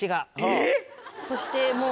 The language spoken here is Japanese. えぇ⁉そしてもう。